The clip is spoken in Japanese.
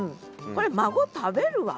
これ孫食べるわ。